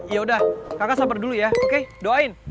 yaudah kakak sabar dulu ya oke doain